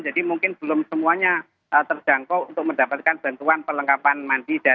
jadi mungkin belum semuanya terjangkau untuk mendapatkan bantuan perlengkapan mandi dan bayi